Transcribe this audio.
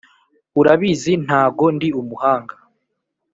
Urabizi ntago ndi umuhanga